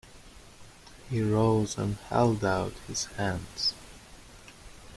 He rose and held out his hands.